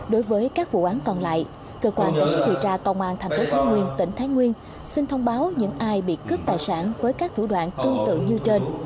đối với các vụ án còn lại cơ quan công an thành phố thái nguyên tỉnh thái nguyên xin thông báo những ai bị cướp tài sản với các thủ đoạn tương tự như trên